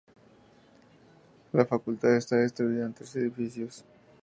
La Facultad está distribuida en tres edificios.